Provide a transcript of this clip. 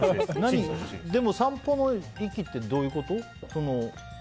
散歩の域ってどういうこと？